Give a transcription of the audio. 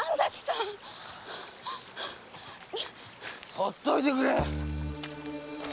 ほっといてくれ！